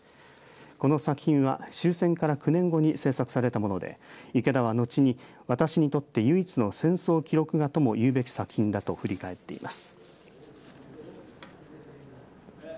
この作品は終戦から９年後に制作されたもので池田は後に私にとって唯一の戦争記録画ともいうべき作品だと振り返っています。